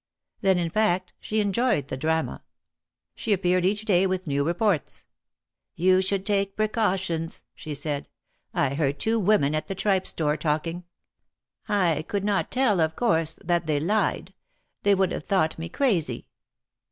Then, in fact, she enjoyed the drama. She appeared each day with new reports : You should take precautions," she said. heard two women, at the tripe store, talking. I could not tell, of course, that they lied : they would have thought me crazy."